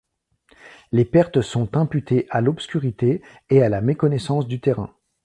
Les pertes sont imputées à l’obscurité et à la méconnaissance du terrain.